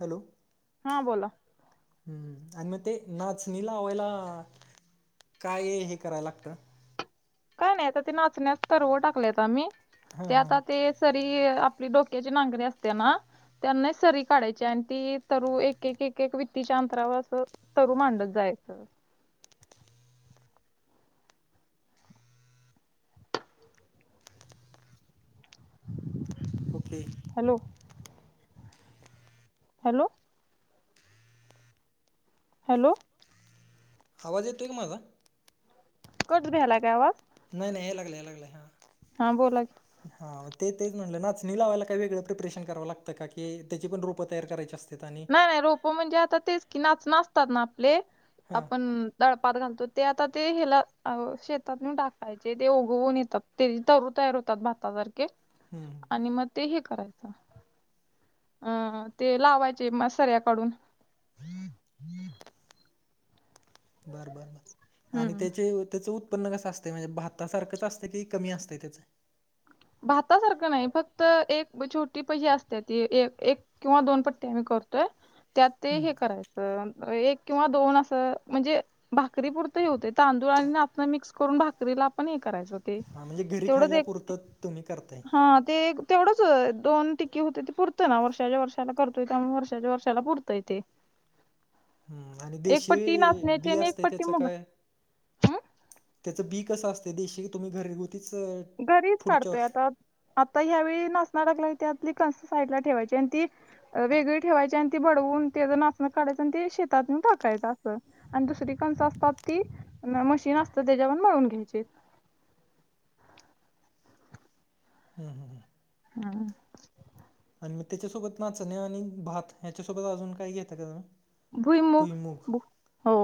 Hello, हा बोला. अन मंग ते नाचणी लावायला. काय हे, करायला लागतं. काही नाही आता ते, नाचण्यात तर्व टाकलेत आम्ही हां ते हां हां आता ते. सरी आपली डोक्याची नांगरी असते ना. त्यांना सरी काढायची आणि, ती तरु एक, एक, एक वित्तीच्या अंतरावर असं. तरु मांडत जायचं. ओके. Hello, hello. हॅलो, आवाज येतोय, काय माझा. कट वहालय का आवाज? नाही नाही या लागला, या लागलाय हा. हा, बोला की. हा तेच म्हटलं नाचणी लावायला काही वेगळं प्रिपरेशन करावं लागतं का, की त्यांची पण रोपं तयार करायची असतं. नाय नाय रोप म्हणजे आता तेच की, नाचणं असतात आपले हां आपण. दळपात घालतो ते आता ते, हेला शेतात न्हेवून टाकायचे ते उगवून येतात. तेचे तरु तयार होतात. भातासारखे, हम्. आणि मग ते हे, करायचं ते लावायचं. ची मग सऱ्या काडून. बरं बरं बरं, आणि हम्म तेचे त्याचं उत्प उत्पन्न कसं असतंय म्हणजे, भातासारखंच असते की कमी असते त्याचं. भातासारखं नाही, फक्त एक छोटी पज असते ती एक एक. किंवा दोन पट्टी आम्ही करतोय. त्यात ते हे हम्म करायचं एक किंवा दोन असं म्हणजे. भाकरी पुरते हे होते. तांदूळ आणि नाचणं मिक्स करून भाकरीला आपण हे करायचं. ते हा, म्हणजे घरी तेवढंच खायला एक पुरतात तुम्ही करता. हा ते, तेवढंच दोन टिकी होते ते पुरतं ना, वर्षाच्या वर्षाला करतोय त्यामुळं वर्षाच्या वर्षाला पुरते ते. हम्म आणि एक देशी पट्टी नाचण्याची बी आणि एक असते पट्टी त्याचं मुगा काय? त्याचं बी कसं असतंय, देशी तुम्ही घरगुतीच. घरीच पुढच्या काढतोय वर्ष आता आता ह्यावेेळी नाचणाला लागलेली त्यातली कणसं साईडला ठेवायची आणि ती वेगळी ठेवायची आणि ती बडवून तेजं नाचणं काढायचं आणि ते शेतात नेऊन टाकायचं असं. आणि दुसरी कणस असतात ती मशीन असत त्याच्या पण बळून घ्यायची. हम हम हम. हमं. आणि मग त्याच्यासोबत नाचणे आणि भात ह्याच्यासोबत अजून काही घेता का तुम्ही? भुईमुग, हो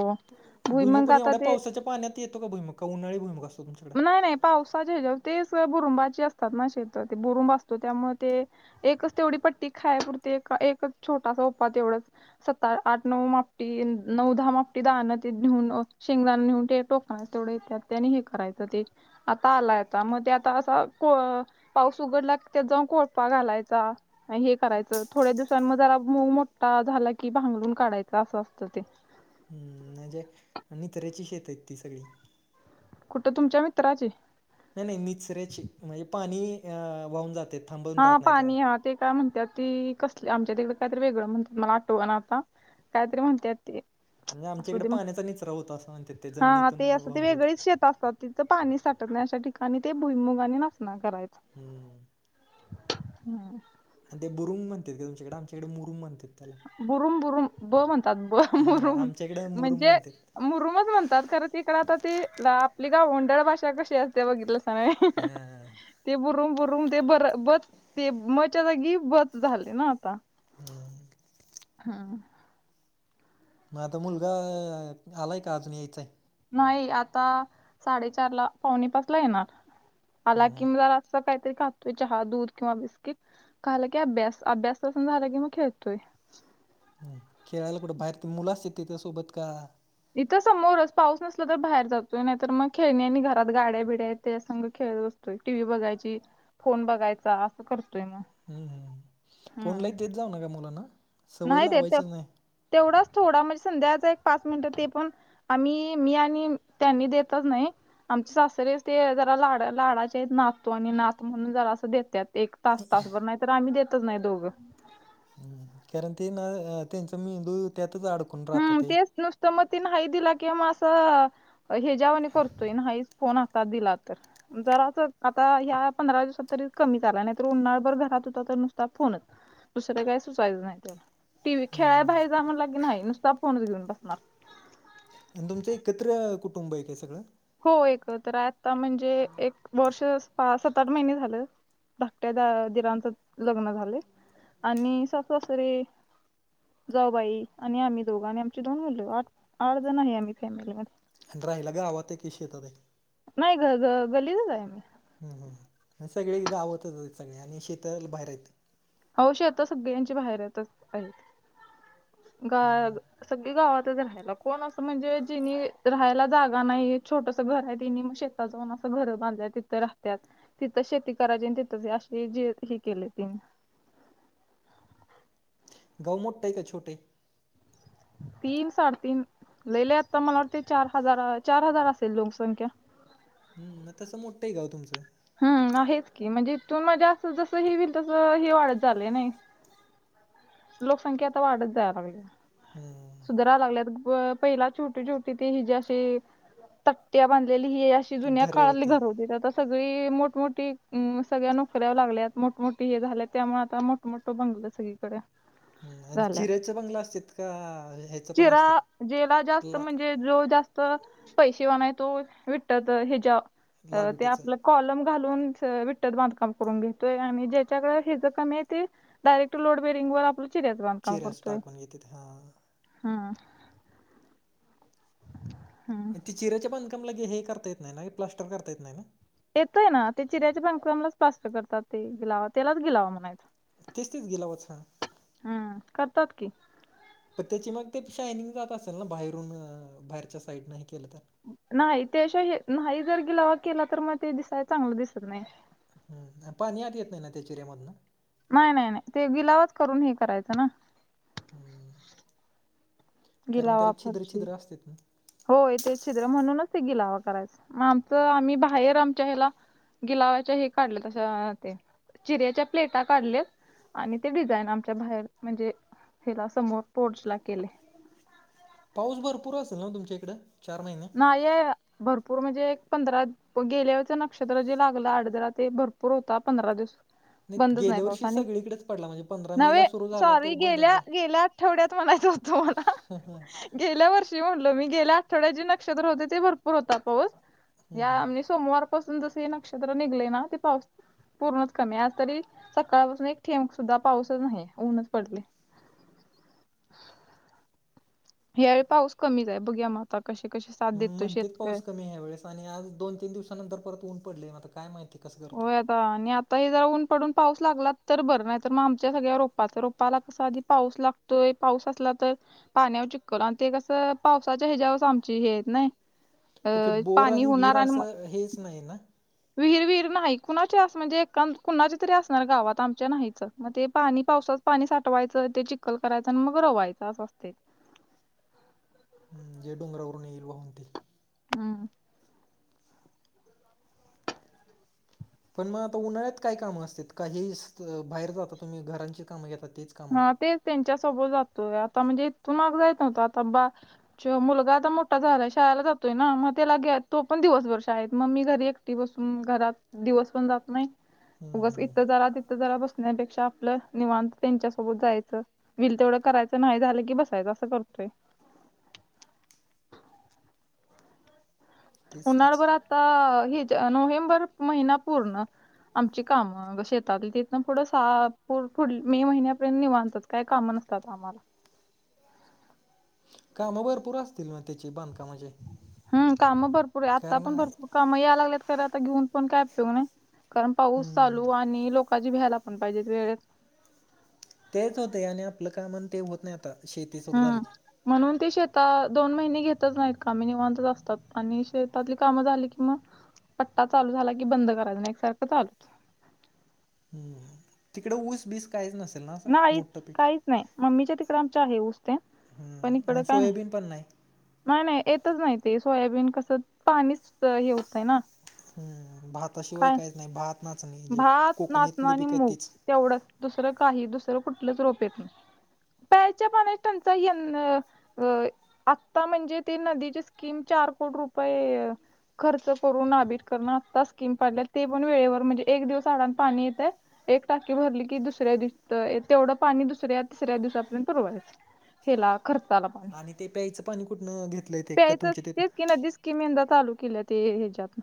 भुईमुग भुईमुगपण आता एवढ्या ते पावसाच्या पाण्यात ते येतो का भुईमूग, का उन्हाळी भुईमूग अस नाही नाही पावसाचे हेच्यावर तेच बुरुंबाची असतात ना शेतं? ते बुरुंब असतो त्यामुळे ते. एकच तेवढी पट्टी खायापुरती एका एकच छोटा सोपा तेवढंच. स्वतः आठ, नऊ मापटी, नऊ दहा मापटी दानं ते घेऊन शेंगदाणा नेऊन ते टोक आणि तेवढे येत्यात त्यांनी हे करायचं ते आता आलाय आता, मग ते आता कोळ पाऊस उघडला त्यात जाऊन कोळपा घालायचा. हे करायचं. थोड्या दिवसां म जरा मूग मोठा झाला की भांगलून काढायचं असं असतं ते. हम्म, म्हणजे मित्राची शेतं आहेत ती सगळी. कुठं तुमच्या मित्राचे? नाही नाही निचऱ्याची, म्हणजे पाणी अ वाहून जातंय. हा पाणी हा ते काय म्हणत्याती. असंली आमच्या तिकडे काहीतरी वेगळं म्हणतात. मला आठवणा आता. कायतरी म्हणतात ते. म्हणजे असू आमच्याकडे दे मग, पाण्याचा निचरा होता असं म्हणतात ते हा हा जमिनीतून ते असं ते वाहून जाते वेगळीच शेतं असतात. तिथं पाणी साठत नाही अशा ठिकाणी ते भुईमुगाने नसणार करायचं. हम्म हम्म. हम्म. आणि ते बुरुंग म्हणत्यात ते तुमच्याकडं, आमच्याकडं मुरुंम म्हणत्यात. बुरुम बुरुम ब म्हणतात ब हां बुरुम, आमच्याकडे मुरुम म्हणजे म्हणतात मुरुमच म्हणतात, खरं तिकडं आता ती आपली गांवडळ होडळ भाषा कशी अस ते बघितलंसा नव्हे. हां ते बुरून बुरून ते बर बस तेम च्या जागी बस झालं ना आता. हम्म. हम्म हम्म. मग आता मुलगा आलाय, का अजून यायचाय? नाही आता साडेचारला, पावणे पाचला येणार. हम्म आला की हम्म म जरा असं काही तरी खातोय चहा, दूध किंवा बिस्किट. क आलं की अभ्यास, अभ्यास बसून झाला की मग खेळतोय. हम्म, खेळायला कुठं बाहेर ते मुलाच असतात तिच्या सोबत का इथं समोरच पाऊस नसला तर बाहेर जातोय, नाहीतर मग खेळणी आणि घरात गाड्या बिड्या हायत तेज्या संग खेळवत होय टीव्ही बघायची, फोन बघायचा असं करतोय मग. हम्म हम्म, फोन हम्म लाई देत जाऊ नका मुलांना. सवय नाही ते तेव लावायचीच नाही. तेवढाच थोडा म्हणजे संध्याकाळचा एक पाच मिनिटं. ते पण आम्ही मी आणि त्यांनी देतच नाही. आमचे सासरीे ते जरा लाड लाडाचे नातो आणि नात म्हणून जरा असं देत्यात. एक तास तासभर, नाही तर आम्ही देतच नाही दोघं. कारण ते ना त्यांचा मी मेंदू त्यातच आड हम्म तेच नुसतं मग ते नाही दिला की मग असं ह्याचा वाणी करतोय नाहीच. फोन आता दिला तर. जरास आता ह्या पंधरा दिवसात तरी कमी झालाय, नाही तर उन्हाळभर घरात होता तर नुसता फोनच. दुसरं काय सुचयचं नाही त्याला, टीव्ही खेळाय बाहेर जा म्हणला की नाही. नुसत फोनच घेऊन बसणार. आणि तुमचं एकत्र कुटुंब आहे का सगळं? हो एक तर आता म्हणजे एक वर्ष सात आठ महिने झालं. धाकट्या द- दिरांच लग्न झाले आणि सासू सासरे. जाऊबाई आणि आम्ही दोघं आणि आमची दोन मुलं. आठ आठजण आहे आम्ही फॅमिलीमध्ये. हन राहिला गावात आहे की शेतात आहे. नाही घर घर घ गल्लीतच हाय. हम्म हम्म, सगळे गावतच हायत सगळळ्या आणि शेत बाहेर हायत. अहो शेत सगळ्यांचे बाहेर येतात, गा हम्म सगळी गावातच राहायला. कोण असं म्हणजे जेनी राहायला जागा नाही, छोटसं घर हाय तेनी मग शेत [unintelligible] अस घर बांधल्या तिथं राहत्यात. तिथच शेती करायची आणि तिथंच अे जे ह केले तिने. गाव मोठ आहे का छोटे आहे? तीन साडेतीन लई लई आता मला वाटते चार हजार चार हजार असेल लोकसंख्या. हम्म मग तसं मोठंय आहे गाव तुमचं. हम्म आहेच की म्हणजे इथून म्हणजे, असं जसं हे होईल तसं हे वाढत झालं नाही. लोकसंख्या आता वाढत जाया लागल्या. हम्म. सुधरा लागल्यात अं पहिला छोटी छोटी ते हि जी अशी तट्ट्या बांधलेली ही अशी ते जुन्या काळातली घर होती सगळी मोठमोठी सगळ्या नोकऱ्या लागल्यात मोठमोठ हे झाल्या त्यामुळे आता मग. मोठं बंगलं सगळीकडे. हं आणि झाल्यात चिऱ्याचं बंगलं असत्यात का ह्याचं पण चिरा असतेत ज्याला [unintelligible] जास्त म्हणजे जो जास्त पैसे वान आहे तो विटाच हेच्या लाल ते विट्याचं आपल कॉलम घालून विटत बांधकाम करून घेतोय आणि ज्याच्याकडे हेि ज कमी आहे ते डायरेक्ट लोड बेरिंग वर आपलं चिऱ्याचं बांधकाम चिऱ्याच करतोय टाकून घेतात हां हम्म. हम्म ते चिऱ्याचे बांधकामला हे करता येत नाही ना प्लास्टर करता येत नाही ना. येतोय ना ते चिऱ्याच्या बांधकामालाच प्लास्टर करतात ते गिलावा, त्यालाच गिलावा म्हणायचं. तेच तेच गिलावाचा. हम्म करतात कि पण त्याची मग ते शायनिंग जात असेल ना, बाहेरून बाहेरच्या साईडन हे केलं तर नाही ते शिवाय हे नाही जर गिलावा केला. तर मग ते दिसायला चांगलं दिसत नाही हम्म पाणी आत येत नाही ना त्या चेऱ्यामधन. नाही नाही नाही ते गिलावच करून हे करायचं ना. हम्म कारण गिलावा त्याला छिद्र- फरशी छिद्र असते ना. होय ते छिद्र म्हणूनच ते गिलावा करायचं. मग आमचं आम्ही बाहेर आमच्या हेला. गिलावाच्या हे काढलं तस ते चिऱ्याच्या प्लेटा काढलेत आणि ते डिझाईन आमच्या बाहेर म्हणजे हिला समोर पोर्च ला केले. पाऊस भरपुर असेल ना तुमच्या इकडे चार महिने. हाय ये भरपूर म्हणजे एक पंधरा पग गेल्या वेळच नक्षत्र जे लागलं अडदला ते भरपूर होता पंधरा दिवस. बंदच नाही गेल्या पाऊस वर्षी आणि सगळीकडेच पडला म्हणजे पंधरा नवे मेला सुरू झाला सॉरी तो बंदच गेल्या झाला गेल्या तेेवड्यात म्हणायचं होत मला. ह. ह गेल्या वर्षी मी गेल्या आठवड्या जे नक्षत्र होते ते भरपूर होता पाऊस हम्म, हम्म. या सोमवारं पासून जस हे नक्षत्र निघलय ना ते पाऊस पूर्णच कमी आज तरी सकाळपासून एक थेब सुद्धा पाऊसच नाही ऊनच पडलय. यावेळी पाऊस कमीच आहे बघूया मग आता कसे कसे साथ देतो म्हणतेत शेतकरी. पाऊस कमी ह्या वेळेस आणि आज दोन तीन दिवसानंतर परत ऊन पडलंय, मग आता काय माहिती कसं करतोय. होय आता आणि आता हे जरा ऊन पडून पाऊस लागलात तर बरं नाही तर मग आमच्या सगळ्या रोपाच्या रोपाला कसा आधी. पाऊस लाग तो एक पाऊस असला तर, पाण्यावर चिखलं आणि ते कसं पावसाच्या ह्याच्यावरच आमची हे आहेत नाही. अ, ओके बोअर पाणी आणि होणार विहीर मग- असं हेच नाही ना. विहीर विहीर नाही कुणाच्या असं म्हणजे कम कुणाच्या तरी असणार गावात आमच्या नाहीच, मग ते पाणी पावसात पाणी साठवायचं ते चिखल करायचं आणि मग रवायचं असं असतंय. हम्म जे डोंगरावरून येईल वाहून ते. हम्म. [inaudible] पण मग आता उन्हाळ्यात काय कामं असतात, काहीही असतं बाहेर जाता तुम्ही घरांची कामं घेतात तेच? कामं. हां तेच त्यांच्या सोबत जातोय. आता म्हणजे इथून मागं जाईत नव्हतं आता बा शिवाय मुलगा आता मोठा झालाय, शाळेला जातोय ना. मग त्याला घ्या तोपण दिवसभर शाळेत, मग मी घरी एक की बसून घरात दिवसपण जात नाही. हम्म उगच हम्म इथं जरा तिथं जरा बसण्यापेक्षा आपलं निवांत. त्यांच्यासोबत जायचं हुईल तेवढं करायचं, नाही झालं की बसायचं असं करतोय. तेच तेच उन्हाळभर आता हेच्या नोव्हेंबर महिना पूर्ण. आमची काम शेतात तिथंन पुढं सा पूर पुढं मे महिन्यापर्यंत निवांतच. काय कामं नसतात आम्हाला. काम भरपूर असतील ना त्याचे बांधकामाचेे? हम्म कामं भरपूर आता पण भरपूर काम याय लागल्यात खरं आता घेऊन पण काय उपयोग नाही. कारण पाऊस हम्म. चालू आणि लोकांची भ्यायला पण पाहिजेत वेळेत. तेच होतंय आणि आपलं काम आन ते होत नाही आता, शेती सुरू हम्म झाली की. म्हणून ते शेतात दोन महिने घेतच नाहीत काम हे निवांतच असतात आणि शेतातली कामं झाली की मग पट्टा चालू झाला की बंद करायचा आणि एक सारखं चालू. हम्म, तिकडं ऊस बीस काहीच नसेल ना? असं नाहीच मोठं पीक काहीच नाही, मम्मीच्या तिकडं आमच्या हे ऊस ते. पण हम्म इकडं आणि काय सोयाबीन पण नाही. नाही नाही येतच नाही ते सोयाबीन कसं पाणीच हे हुतंय ना. हम्म भाताशिवाय काय काहीच नाही. भात, नाचणी हे जे कोकणीतली पिकं आहेत तीच. तेवढं दुसरं काही दुसरं कुठलंच रोप येत नाही. प्यायच्या पाण्याची टंचाई यं अ आता म्हणजे ते नदीची स्कीम चार कोट रुपये खर्च करून आंबेडकरनं आता स्कीम पाडल्या, तेपण वेळेवर म्हणजे एक दिवस अडानं पाणी येतंय. एक टाकी भरली की दुसऱ्या दिवशी तेवढं पाणी दुसऱ्या तिसऱ्या दिवसापर्यंत पुरवायचं. हेला खर्चाला पाणी, आणि ते प्यायचं पाणी कुठनं घेतलंय ते का प्यायचं तुमच्या तेच की नदीचं स्कीम यंदा स्कीम चालू केल्या ते ह्याच्यात,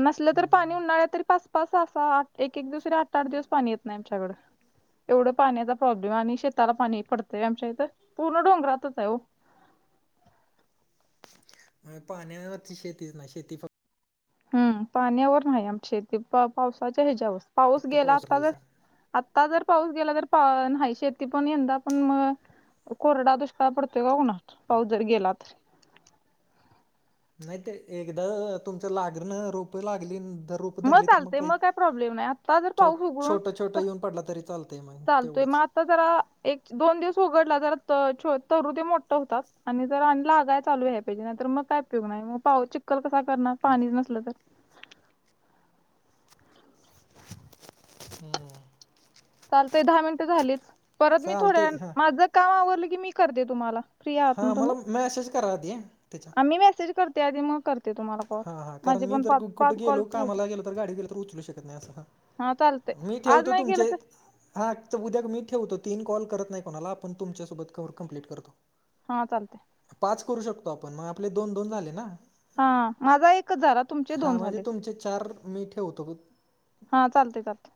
नसलं तर पाणी तिथनं उन्हाळ्यात तरी पास पस असा आठ एक एक दिवस तरी आठ आठ दिवस पाणी येत नाही आमच्याकडं. एवढं पाण्याचा प्रॉब्लेम आणि शेताला पाणी पडतंय आमच्या इथं. पूर्ण डोंगरातच हाय ओ. पाण्यावरती शेतीच नाय शेती फक्त हम्म पाण्यावर नाही आमची शेती, पाव पावसाच्या हेच्यावर. पाऊस फक्त गेला आता पावसाळ्याला तर सर आत्ता जर पाऊस गेला तर पा नाही, शेती पण यंदा पण म कोरडा दुष्काळ पडतोय का कोणास ठाऊक, पाऊस जर गेला तर. नाही ते एकदं तुमचं लागीरनं रोप लागली न ते रोप उतरले तर मग चालतंय काय प्रॉब्लेम नाही आता जर तो पाऊस उघडून छोटा छोटा येऊन पडला तरी चाल चालतोय मात तर जरा एक दोन दिवस उघडला, जरा तरु ते मोठ होतात आणि जर आण लागाय चालू हायत. नाही तर मग काय उयोग नाही. मग पाऊ चिखल कसा करणार, पाणीच नसलं तर? हम्म. चालतंय दहा मिनटं झालीत, परत मी थोड्या चालतंय वेळानं हां माझं काम आवरलं की मी करते तुम्हाला. फ्री आहात हा मला मेसेज करा ते तेचा. मी मेसेज करते आधी मग कर हा हा कारण मी जर कुठे कॉल गेलो पू कामाला गेलो तर गाडी गेल तर उचलू शकत नाही असं हा. चालते मी आज ठेवतो नाही केलं तुमचे. तर हा तर उद्या मी ठेवतो तीन कॉल करत नाही, कोणाला आपण तुमच्यासोबत कम्प्लीट करतो. हा चालते. पाच करू शकतो आपण, मग आपले दोन दोन झाले ना? हा, माझा एकच झारात हा म्हणजे तुमचे चार मी ठेवतो. [unintelligible] हां चालते चालते.